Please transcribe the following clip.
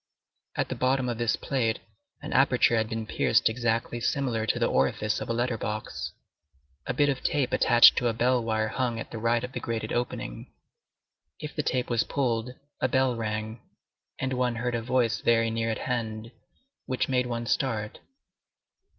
At the bottom of this plate, an aperture had been pierced exactly similar to the orifice of a letter box. A bit of tape attached to a bell wire hung at the right of the grated opening. If the tape was pulled, a bell rang, and one heard a voice very near at hand, which made one start.